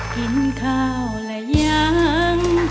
กินข้าวแล้วยัง